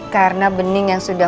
karena bening yang sudah